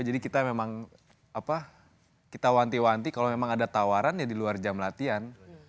jadi kita memang apa kita wanti wanti kalau memang ada tawaran ya di luar jam latihan